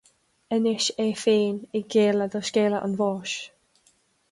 Anois é féin ag géilleadh do scéala an bháis.